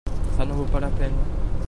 ça ne vaut pas la peine.